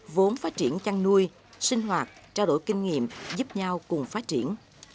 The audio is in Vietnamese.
vốn phát triển chăn nuôi sinh hoạt trao đổi kinh nghiệm giúp nhau cùng phát triển